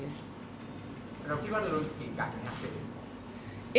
แล้วพี่ว่าเรารู้สิทธิการยังไงครับเอม